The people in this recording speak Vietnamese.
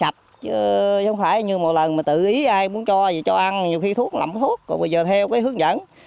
không phải như một lần mà tự ý ai muốn cho gì cho ăn nhiều khi thuốc lẩm thuốc còn bây giờ theo cái hướng dẫn